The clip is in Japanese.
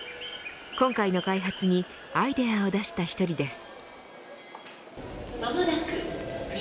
今回の開発にアイデアを出した一人です。